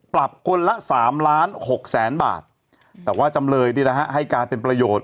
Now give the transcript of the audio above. ปรับคนละ๓๖๐๐๐๐๐บาทแต่ว่าจำเลยดีนะฮะให้การเป็นประโยชน์